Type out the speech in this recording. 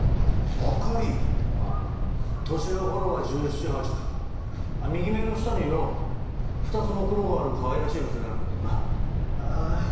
ああ年の頃は１７１８だ右目の下によ２つほくろがあるかわいらしい娘なんだけどなあぁ